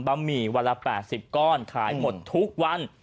หมี่วันละ๘๐ก้อนขายหมดทุกวัน